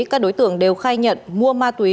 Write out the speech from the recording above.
các đối tượng đều khai nhận mua ma túy